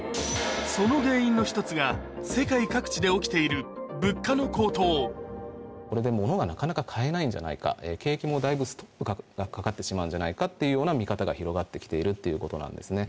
その原因の１つが世界各地で起きているこれでモノがなかなか買えないんじゃないか景気もだいぶストップがかかってしまうんじゃないかっていうような見方が広がって来ているということなんですね。